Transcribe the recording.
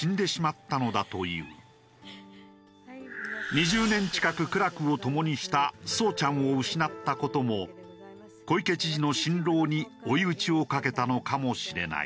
２０年近く苦楽をともにしたソウちゃんを失った事も小池知事の心労に追い打ちをかけたのかもしれない。